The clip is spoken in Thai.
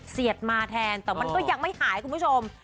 เสียดมาแทนแต่มันก็ยังไม่หายคุณผู้ชม